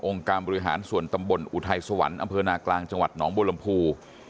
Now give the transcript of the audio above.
การบริหารส่วนตำบลอุทัยสวรรค์อำเภอนากลางจังหวัดหนองบัวลำพู